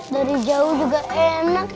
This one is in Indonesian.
dari jauh juga enak